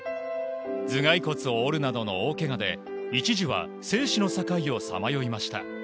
頭蓋骨を折るなどの大けがで一時は生死の境をさまよいました。